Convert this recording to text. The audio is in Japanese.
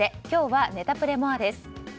今日はネタプレＭＯＲＥです。